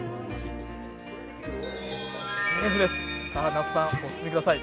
那須さん、お進みください